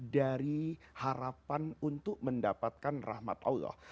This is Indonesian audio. dari harapan untuk mendapatkan rahmat allah